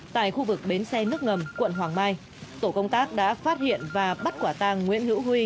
tại khu vực bến xe nước ngầm quận hoàng mai tổ công tác đã phát hiện và bắt quả tàng nguyễn hữu huy